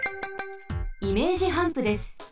イメージハンプです。